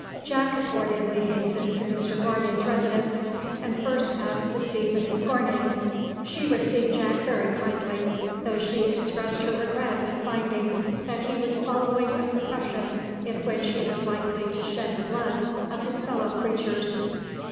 Jack accordingly hastened to Mr Gournay's residence, and first asked to see Mrs Gournay. She received Jack very kindly, though she expressed her regret at finding that he was following a profession in which he was likely to shed the blood of his fellow creatures.